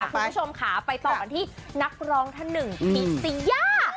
คุณผู้ชมค่ะไปต่อกันที่นักร้องท่านหนึ่งพิษยา